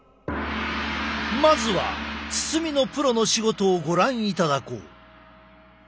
まずは包みのプロの仕事をご覧いただこう。